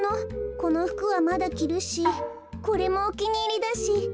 このふくはまだきるしこれもおきにいりだし。